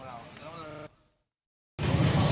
เขาก็มาโทรไปของเรา